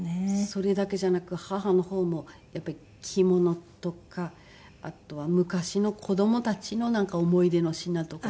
それだけじゃなく母の方もやっぱり着物とかあとは昔の子どもたちのなんか思い出の品とか。